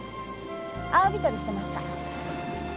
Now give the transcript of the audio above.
アワビ採りしてました。